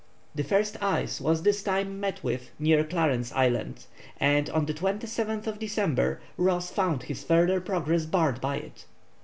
The first ice was this time met with near Clarence Island, and on the 25th December Ross found his further progress barred by it.